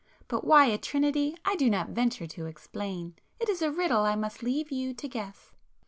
But why a trinity I do not venture to explain!—it is a riddle I must leave you to guess!"